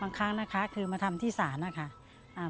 บางครั้งคือมาทำที่ศาลนะครับ